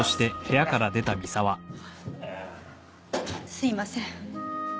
すいません。